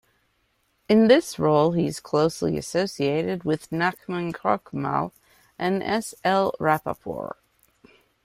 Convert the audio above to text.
In this role he is closely associated with Nachman Krochmal and S. L. Rapoport.